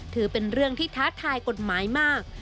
ถือเป็นเรื่องที่ท้าทายกฎหมายมาก